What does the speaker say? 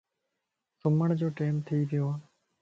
سمھڻ جو ٽيم ٿي ويو ائي